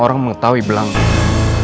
orang orang mengetahui berlangsung